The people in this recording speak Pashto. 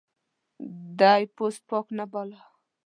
دی پوست پاک نه باله.